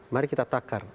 mari kita takar